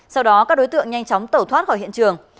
sau đó các đối tượng nhanh chóng tẩu thoát khỏi hiện trường